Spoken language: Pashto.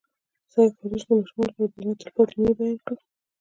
څنګه کولی شم د ماشومانو لپاره د جنت د تل پاتې مینې بیان کړم